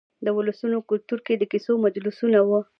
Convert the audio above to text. د ولسونو په کلتور کې د کیسو مجلسونه وو.